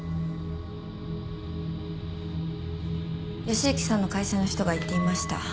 義之さんの会社の人が言っていました。